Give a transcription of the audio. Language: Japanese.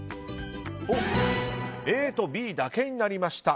ＡとＢだけになりました。